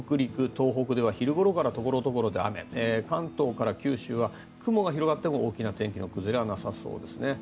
東北では昼ごろから雨関東から九州では雲が広がっても大きな天気の崩れはなさそうですね。